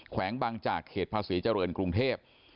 แวงบางจากเขตภาษีเจริญกรุงเทพ